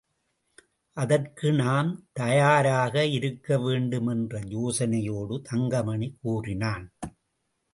அதற்கும் நாம் தயாராக இருக்கவேண்டும் என்று யோசனையோடு தங்கமணி கூறினான்.